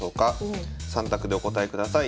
３択でお答えください。